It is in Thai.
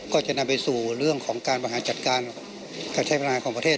ก็จะนำไปสู่เรื่องของการบริหารจัดการการใช้พลังงานของประเทศ